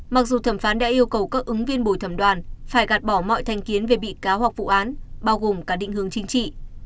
mặc dù thẩm phán đã yêu cầu các ứng viên bồi thẩm đoàn phải gạt bỏ mọi thành kiến về bị cáo hoặc vụ án bao gồm cả định hướng chính trị